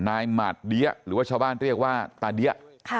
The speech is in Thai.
หมาดเดี้ยหรือว่าชาวบ้านเรียกว่าตาเดี้ย